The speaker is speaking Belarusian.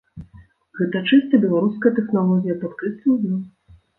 Гэта чыста беларуская тэхналогія, падкрэсліў ён.